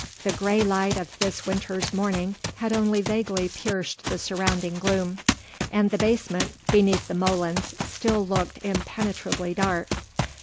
The grey light of this winter's morning had only vaguely pierced the surrounding gloom, and the basement beneath the molens still looked impenetrably dark.